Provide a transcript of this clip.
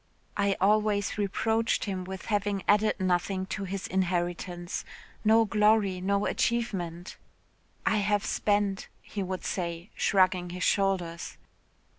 I always reproached him with having added nothing to his inheritance no glory no achievement 'I have spent,' he would say, shrugging his shoulders.